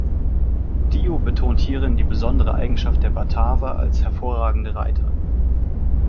Dio betont hierin die besondere Eigenschaft der Bataver als hervorragende Reiter.